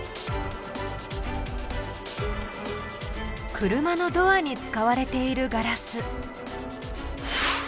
車のドアに使われているガラス。